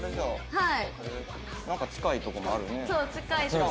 はい！